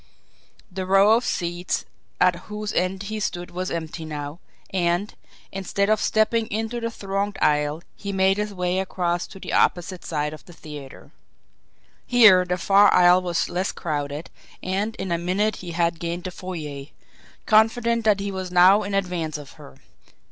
The row of seats at whose end he stood was empty now, and, instead of stepping into the thronged aisle, he made his way across to the opposite side of the theatre. Here, the far aisle was less crowded, and in a minute he had gained the foyer, confident that he was now in advance of her.